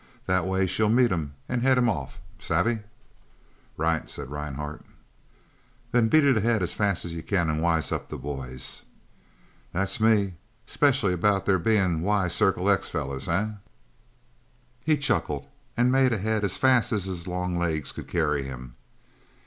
That way she'll meet him and head him off, savvy?" "Right," said Rhinehart. "Then beat it ahead as fast as you can and wise up the boys." "That's me specially about their bein' Y Circle X fellers, eh?" He chuckled and made ahead as fast as his long legs could carry him.